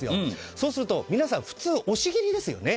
そうすると、皆さん普通は押し切りですよね。